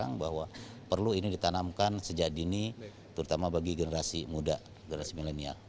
dan saya rasa sekarang bahwa perlu ini ditanamkan sejak dini terutama bagi generasi muda generasi milenial